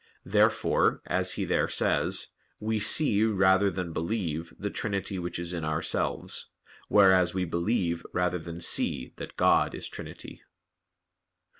Therefore, as he there says: "We see, rather than believe, the trinity which is in ourselves; whereas we believe rather than see that God is Trinity."